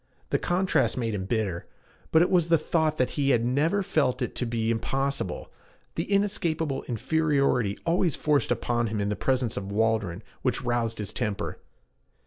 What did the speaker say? The contrast made him bitter; but it was the thought that he had never felt it to be impossible, the inescapable inferiority always forced upon him in the presence of Waldron, which roused his temper.